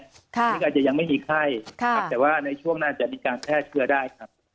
ซึ่งอาจจะยังไม่มีไข้แต่ว่าในช่วงหน้าจะมีการแพร่เชื้อได้ครับ